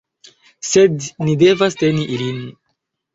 Sed ni devas teni ilin.